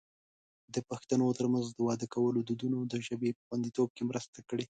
د پښتنو ترمنځ د واده کولو دودونو د ژبې په خوندیتوب کې مرسته کړې.